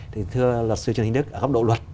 thì thưa luật sư trần hình đức ở góc độ luật